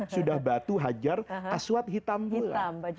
sudah batu hajar aswat hitam pula